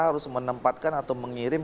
harus menempatkan atau mengirim